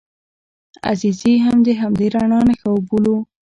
عزیزي هم د همدې رڼا نښه وبولو.